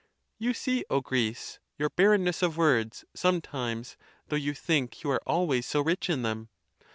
You see, O Greece! your barrenness of words, sometimes, though you think you are always so rich in them.